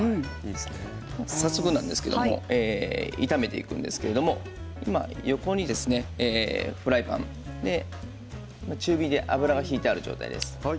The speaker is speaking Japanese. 早速なんですけれども炒めていくんですけれども今、横にフライパン中火で油が引いてある状態です。